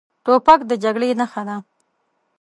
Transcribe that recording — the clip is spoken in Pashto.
توپک د جګړې نښه ده.